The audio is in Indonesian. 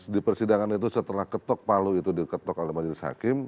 di persidangan itu setelah ketok palu itu diketok oleh majelis hakim